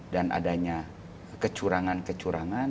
dan adanya kecurangan kecurangan